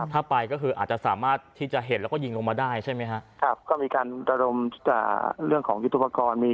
ถ้าไปก็คืออาจจะสามารถที่จะเห็นแล้วก็ยิงลงมาได้ใช่ไหมครับก็มีการระดมเรื่องของยุทธปกรณ์